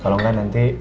kalau gak nanti